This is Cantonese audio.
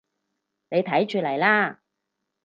你睇住嚟啦